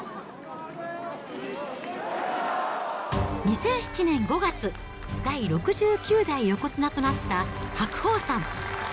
２００７年５月、第６９代横綱となった白鵬さん。